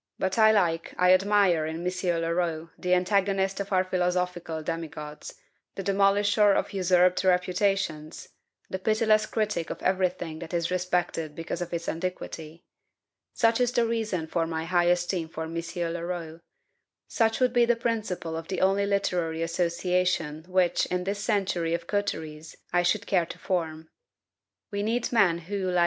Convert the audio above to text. But I like, I admire, in M. Leroux, the antagonist of our philosophical demigods, the demolisher of usurped reputations, the pitiless critic of every thing that is respected because of its antiquity. Such is the reason for my high esteem of M. Leroux; such would be the principle of the only literary association which, in this century of coteries, I should care to form. We need men who, like M.